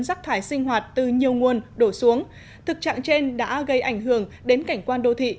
rác thải sinh hoạt từ nhiều nguồn đổ xuống thực trạng trên đã gây ảnh hưởng đến cảnh quan đô thị